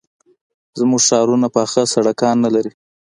زموږ ښارونه پاخه سړکان نه لري.